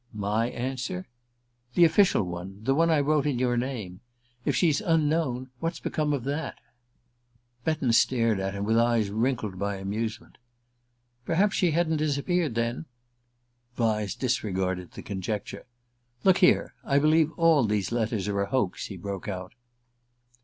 "My answer?" "The official one the one I wrote in your name. If she's unknown, what's become of that?" Betton stared at him with eyes wrinkled by amusement. "Perhaps she hadn't disappeared then." Vyse disregarded the conjecture. "Look here I believe all these letters are a hoax," he broke out.